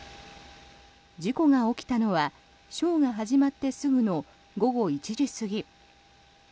事故が起きたのはショーが始まってからすぐの午後１時過ぎ。